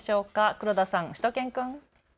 黒田さん、しゅと犬くん。